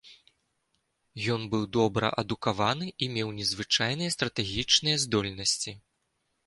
Ён быў добра адукаваны і меў незвычайныя стратэгічныя здольнасці.